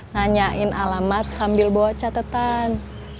nanyain alamat sambil bawa catatan